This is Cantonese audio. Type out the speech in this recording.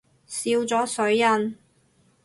笑咗水印